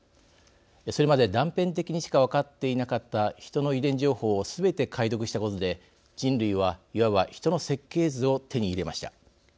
それまで断片的にしか分かっていなかったヒトの遺伝情報をすべて解読したことで人類はいわばヒトの設計図を手に入れました。